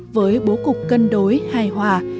với bố cục cân đối hài hòa